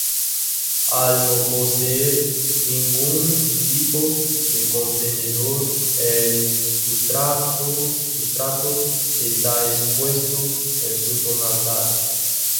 Al no poseer ningún tipo de contenedor el sustrato está expuesto en su totalidad.